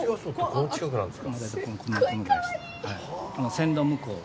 線路向こう。